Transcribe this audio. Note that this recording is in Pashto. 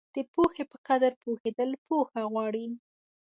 د پوهې په قدر پوهېدل پوهه غواړي.